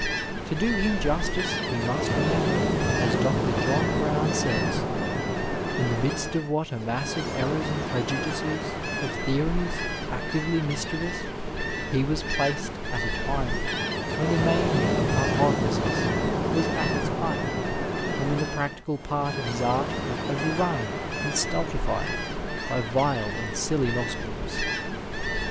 *' To do him justice we must remember, as Dr. John Brown says, " in the midst of what a mass of errors and prejudices, of theories actively mischievous, he was placed, at a time when the mania of hypothesis was at its height, and when the practical part of his art was overrun and stultified by vile and silly nostrums.